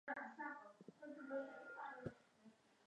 Toshboy tog‘aning zavjasi Surma buvi Farzinisaning tepasida o‘tirardi